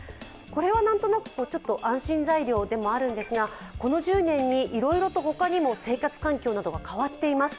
これは何となく安心材料でもあるんですが、この１０年にいろいろとほかにも生活環境なども変わっています。